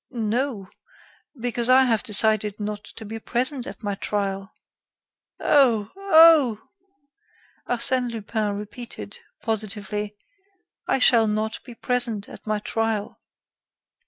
"No, because I have decided not to be present at my trial." "Oh! oh!" Arsène Lupin repeated, positively: "I shall not be present at my trial."